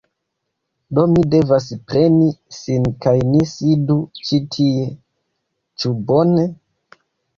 Do mi devas preni ŝin kaj ni sidu ĉi tie. Ĉu bone?